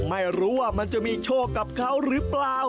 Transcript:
ไม่รู้ว่ามันจะมีโชคกับเขาหรือเปล่า